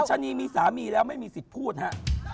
ชะนีมีสามีแล้วไม่มีสิทธิ์พูดฮะ